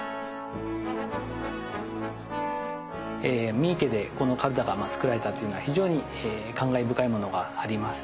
三池でこのカルタが作られたというのは非常に感慨深いものがあります。